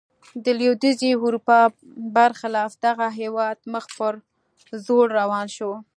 د لوېدیځې اروپا برخلاف دغه هېواد مخ پر ځوړ روان شو.